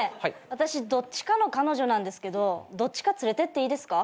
私どっちかの彼女なんですけどどっちか連れてっていいですか？